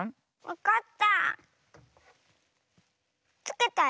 わかった。